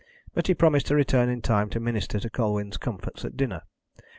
But he promised to return in time to minister to Colwyn's comforts at dinner.